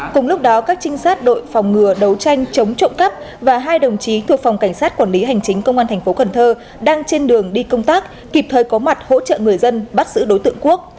cùng lúc đó các trinh sát đội phòng ngừa đấu tranh chống trộm cắp và hai đồng chí thuộc phòng cảnh sát quản lý hành chính công an thành phố cần thơ đang trên đường đi công tác kịp thời có mặt hỗ trợ người dân bắt giữ đối tượng quốc